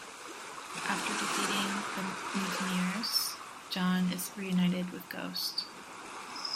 After defeating the mutineers, Jon is reunited with Ghost.